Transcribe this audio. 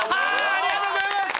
ありがとうございます！